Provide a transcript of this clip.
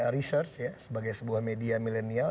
research ya sebagai sebuah media milenial